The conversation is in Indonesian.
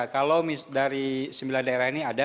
kalau dari sembilan daerah ini ada